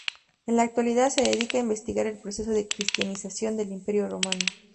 En la actualidad se dedica a investigar el proceso de cristianización del Imperio Romano.